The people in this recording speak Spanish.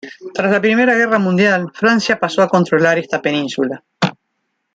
Tras la Primera Guerra Mundial Francia pasó a controlar esta península.